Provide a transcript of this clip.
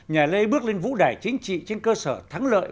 nhà lê bước lên vũ đải chính trị trên cơ sở thắng lợi